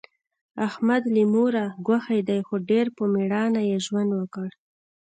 احمد له موره ګوښی دی، خو ډېر په مېړانه یې ژوند وکړ.